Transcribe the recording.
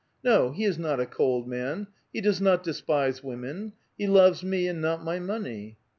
'^No, he is not a cold man; he does not despise women ; he loves me and not my money."